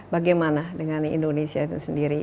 bagaimana dengan indonesia itu sendiri